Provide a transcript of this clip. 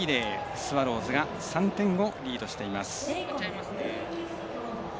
スワローズが３点をリードしています。